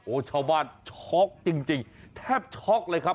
โอ้โหชาวบ้านช็อกจริงแทบช็อกเลยครับ